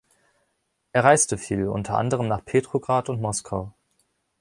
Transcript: Er reiste viel, unter anderem nach Petrograd und Moskau.